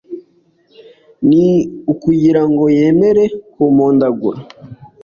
ni ukugira ngo yemere kumpondagura,